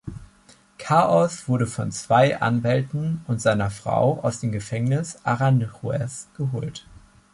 Chaos wurde von zwei Anwälten und seiner Frau aus dem Gefängnis Aranjuez abgeholt.